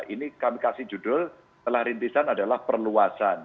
ini kami kasih judul telah rintisan adalah perluasan